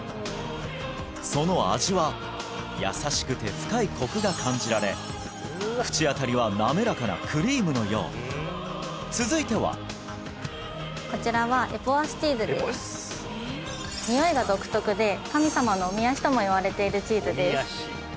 その味は優しくて深いコクが感じられ口当たりは滑らかなクリームのよう続いてはこちらはエポワスチーズですにおいが独特で「神様のおみ足」ともいわれているチーズです